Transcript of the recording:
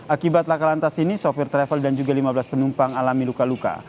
akibat laka lantas ini sopir travel dan juga lima belas penumpang alami luka luka